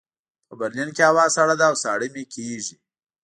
په برلین کې هوا سړه ده او ساړه مې کېږي